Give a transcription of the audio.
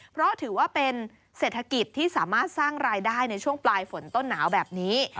เพราะถือว่าเป็นเศรษฐกิจที่สามารถสร้างรายได้ในช่วงปลายฝนต้นหนาวแบบนี้